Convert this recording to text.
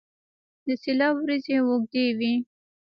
د سیله وریجې اوږدې وي.